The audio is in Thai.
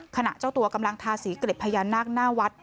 เจ้าตัวกำลังทาสีเกร็ดพญานาคหน้าวัด